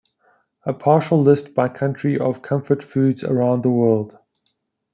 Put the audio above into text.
A partial list by country of comfort foods around the world.